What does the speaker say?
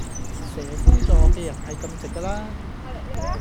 蛇夫座既人係咁直㗎啦